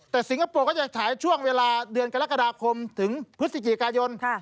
แต่สิงคโปร์ก็จะฉายช่วงเวลาเดือนกรกฎาคมถึงพฤศจิกายน